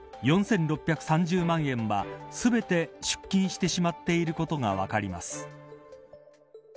４６３０万円は全て出金してしまっていることが分かります。